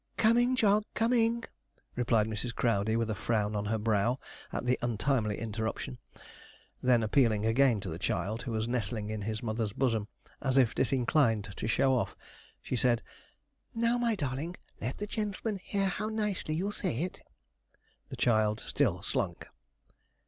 'Coming, Jog! coming!' replied Mrs. Crowdey, with a frown on her brow at the untimely interruption; then appealing again to the child, who was nestling in his mother's bosom, as if disinclined to show off, she said, 'Now, my darling, let the gentleman hear how nicely you'll say it.' The child still slunk.